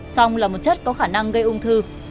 xong là một chất có khả năng gây ung thư